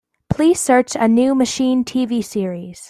Please search A New Machine TV series.